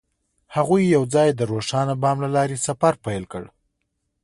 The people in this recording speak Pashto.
هغوی یوځای د روښانه بام له لارې سفر پیل کړ.